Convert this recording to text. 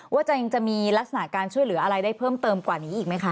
ว่าจะยังจะมีลักษณะการช่วยเหลืออะไรได้เพิ่มเติมกว่านี้อีกไหมคะ